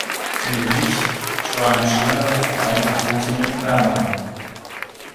Neben Licht strahlen die Scheinwerfer vor allem auch große Mengen Wärme ab.